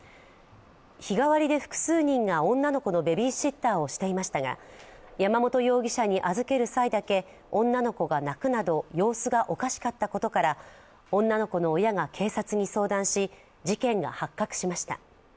日替わりで複数人が女の子のベビーシッターをしていましたが山本容疑者に預ける際だけ女の子が泣くなど様子がおかしかったことから女の子の親が警察に相談し、事件が発覚しました。